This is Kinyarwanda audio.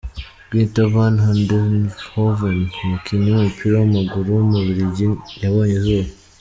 Gunter Van Handenhoven, umukinnyi w’umupira w’amaguru w’umubiligi yabonye izuba.